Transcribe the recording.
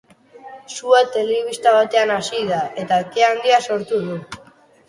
Sua telebista batean hasi da, eta ke handia sortu du.